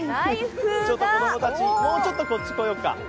子供たち、もうちょっとこっち来ようか。